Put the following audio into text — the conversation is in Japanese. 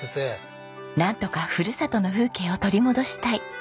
なんとかふるさとの風景を取り戻したい。